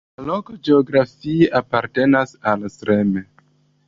La loko geografie apartenas al Srem.